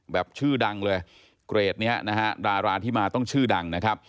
แบบชื่อดังเลยเกรดนี้นะฮะดาราที่มาต้องชื่อดังนะครับ